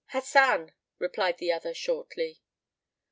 "Hasan," replied the other, shortly.